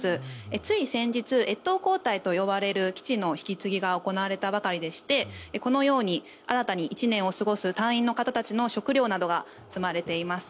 つい先日、越冬交代と呼ばれる基地の引き継ぎが行われたばかりでしてこのように新たに１年を過ごす隊員の方たちの食料などが積まれています。